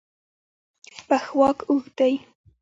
پښواک اوږد دی.